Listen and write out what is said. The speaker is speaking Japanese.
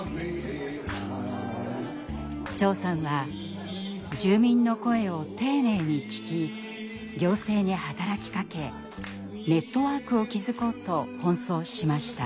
長さんは住民の声を丁寧に聞き行政に働きかけネットワークを築こうと奔走しました。